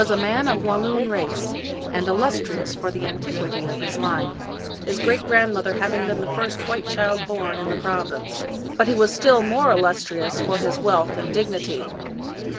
171 American Mystery Stories man of Walloon ^ race, and illustrious for the antiquity of his line, his great grandmother having been the first white child born in the province. But he was still more illustrious for his wealth and dignity.